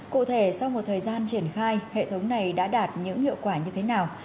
cụ thể sau một thời gian triển khai hệ thống này đã đạt những hiệu quả như thế nào